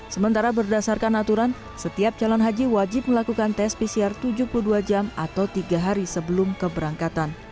sementara berdasarkan aturan setiap calon haji wajib melakukan tes pcr tujuh puluh dua jam atau tiga hari sebelum keberangkatan